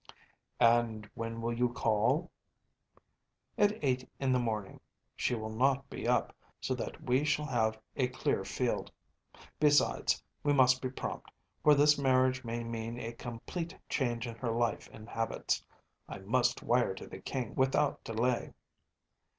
‚ÄĚ “And when will you call?‚ÄĚ “At eight in the morning. She will not be up, so that we shall have a clear field. Besides, we must be prompt, for this marriage may mean a complete change in her life and habits. I must wire to the King without delay.